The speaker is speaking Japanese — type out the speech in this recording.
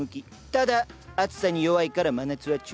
ただ暑さに弱いから真夏は注意。